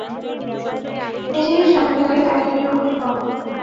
নিজেকে সামলে রাখাই দায় হয়ে উঠল।